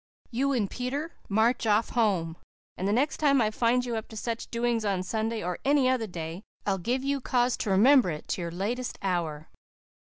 "You and Peter march off home. And the next time I find you up to such doings on Sunday or any other day I'll give you cause to remember it to your latest hour."